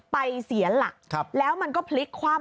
เสียหลักแล้วมันก็พลิกคว่ำ